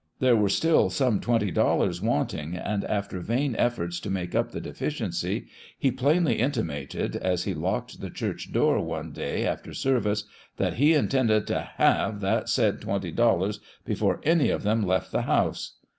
There were still some twenty dollars wanting, and after vain efforts to make up the deficiency, he plainly intimated, as he locked the church door one day after ser vice, that he intended to have that said twenty dollars before any of them left the house.